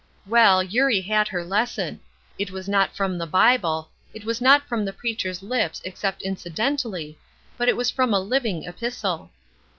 Well, Eurie had her lesson. It was not from the Bible, it was not from the preacher's lips except incidentally, but it was from a living epistle.